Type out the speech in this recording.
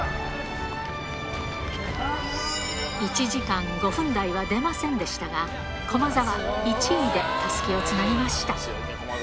１時間５分台は出ませんでしたが、駒澤、１位でたすきをつなぎました。